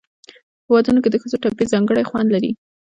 په ودونو کې د ښځو ټپې ځانګړی خوند لري.